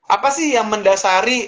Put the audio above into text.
apa sih yang mendasari